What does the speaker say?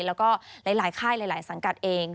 แล้วก็หลายค่ายหลายสังกัดเอง